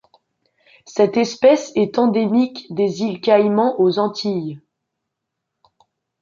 Cette espèce est endémique des îles Caïmans aux Antilles.